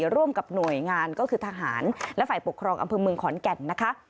ร่วมกับหน่วยงานก็คือทหารและฝ่ายปกครองอำเภอเมืองขอนแก่นนะคะ